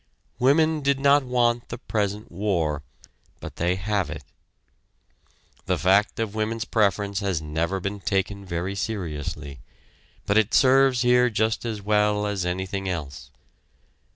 Women did not want the present war, but they have it. The fact of women's preference has never been taken very seriously, but it serves here just as well as anything else.